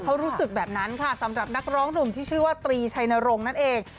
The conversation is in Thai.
เขารู้สึกแบบนั้นค่ะสำหรับนักร้องหนุ่มที่ชื่อว่าตรีชัยนรงค์นั่นเอง